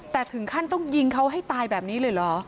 แต่ถึงขั้นต้องยิงเขาให้ตายแบบนี้เลยเหรอ